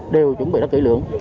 đều chuẩn bị rất kỹ lượng